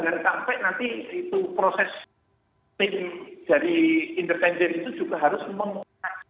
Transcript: saya kira ini jangan sampai nanti itu proses tim dari independen itu juga harus memutuskan